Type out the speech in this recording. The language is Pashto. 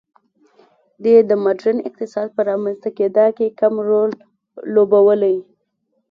دې د ماډرن اقتصاد په رامنځته کېدا کې کم رول لوبولی.